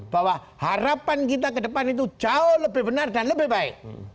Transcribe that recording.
bahwa harapan kita ke depan itu jauh lebih benar dan lebih baik